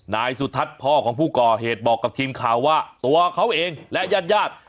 นายสุทัศน์พ่อของผู้ก่อเหตุบอกกับทีมข่าวว่าตัวเขาเองและญาติญาติ